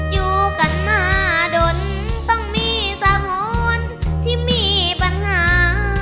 อยู่กันมาดนต้องมีสักหรณ์ที่มีปัญหา